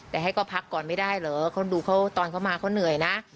แต่ให้เขาพักก่อนไม่ได้เหรอเขาดูเขาตอนเขามาเขาเหนื่อยนะ